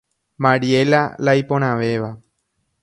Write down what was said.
Mariela la iporãvéva.